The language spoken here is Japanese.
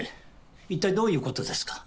一体どういうことですか？